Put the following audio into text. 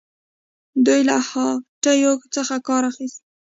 دوی له هاتیو څخه کار اخیست